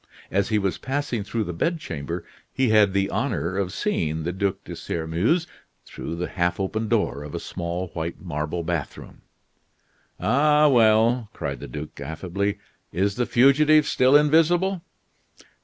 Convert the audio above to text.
As he was passing through the bed chamber, he had the honor of seeing the Duc de Sairmeuse through the half open door of a small, white, marble bath room. "Ah, well!" cried the duke, affably, "is the fugitive still invisible?"